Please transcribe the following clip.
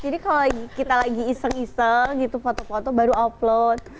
jadi kalau kita lagi iseng isel gitu foto foto baru upload